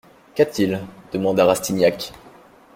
Qu'a-t-il ? demanda Rastignac.